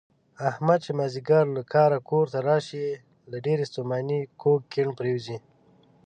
احمد چې مازدیګر له کاره کورته راشي، له ډېرې ستومانۍ کوږ کیڼ پرېوځي.